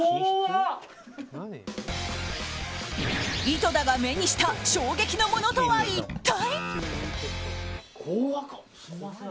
井戸田が目にした衝撃のものとは一体。